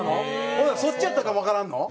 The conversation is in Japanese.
ほなそっちやったかもわからんの？